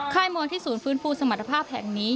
มองที่ศูนย์ฟื้นฟูสมรรถภาพแห่งนี้